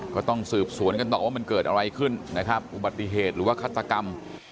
ก็ต้องสืบสวนกันต่อว่ามันเกิดอะไรขึ้นนะครับอุบัติเหตุหรือว่าฆาตกรรม